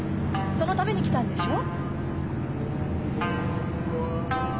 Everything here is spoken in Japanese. そのために来たんでしょ？